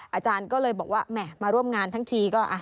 อาจารย์ก็เลยบอกว่าแหม่มาร่วมงานทั้งทีก็